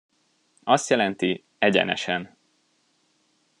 Azt jelenti, "egyenesen".